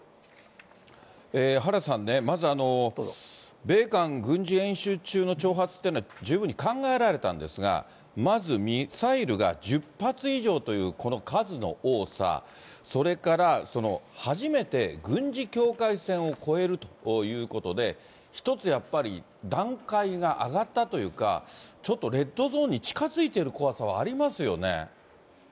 原田さん、まず米韓軍事演習中の挑発というのは、十分に考えられたんですが、まずミサイルが１０発以上という、この数の多さ、それから、初めて軍事境界線を越えるということで、一つ、やっぱり段階が上がったというか、ちょっとレッドゾーンに近づいている怖さはありますよね。